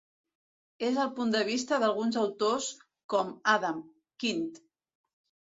ÉS el punt de vista d'alguns autors com Adam, Quint.